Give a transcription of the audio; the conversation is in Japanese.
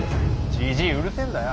じじいうるせえんだよ。